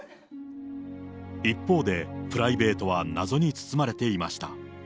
一方で、プライベートは謎に包まれていました。